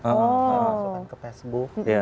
saya masukkan ke facebook